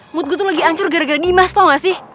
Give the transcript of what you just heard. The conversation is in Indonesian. mood gue tuh lagi ancur gara gara dimas tau gak sih